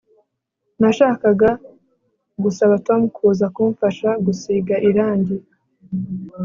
Nashakaga gusaba Tom kuza kumfasha gusiga irangi